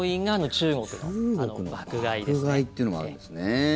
中国の爆買いっていうのもあるんですね。